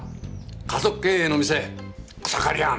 家族経営の店「草刈庵」！